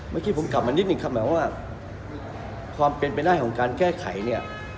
แค่ผมกลับออกนิดนึกความเป็นเป็นได้ของการแก้ไข